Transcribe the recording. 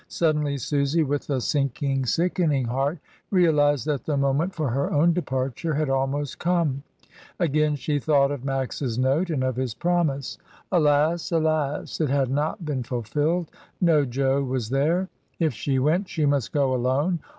Suddenly Susy, with a sinking, sickening heart, realised that the moment for her own departure had almost come; again she thought of Max's note and of its promise. Alas! alas! it had not been fulfilled — no Jo was there. If she went, she must go alone!